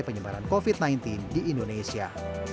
penyebaran covid sembilan belas di indonesia